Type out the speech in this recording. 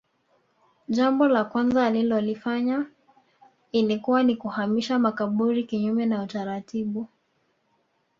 Jambo la kwanza alilolifanya ilikuwa ni kuhamisha makaburi kinyume na utaratibu